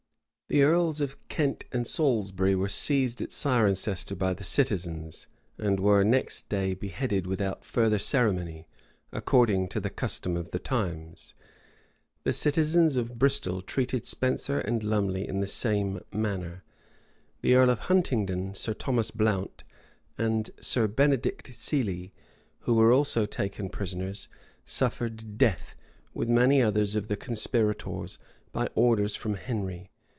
The earls of Kent and Salisbury were seized at Cirencester by the citizens, and were next day beheaded without further ceremony, according to the custom of the times.[*] The citizens of Bristol treated Spenser and Lumley in the same manner. The earl of Huntingdon, Sir Thomas Blount, and Sir Benedict Sely, who were also taken prisoners, suffered death, with many others of the conspirators, by orders from Henry.